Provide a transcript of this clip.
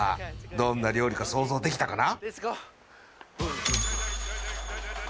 どんな料理か想像できたかな？